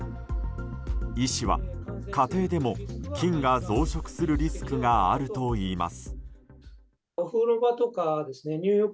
医師は家庭でも、菌が増殖するリスクがあるといいます。